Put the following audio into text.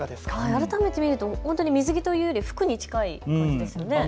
改めて見ると水着というより服に近い感じですね。